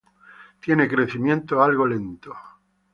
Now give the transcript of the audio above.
Tiene crecimiento algo lento.